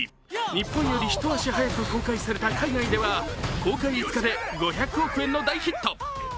日本より一足早く公開された海外では公開５日で５００億円の大ヒット。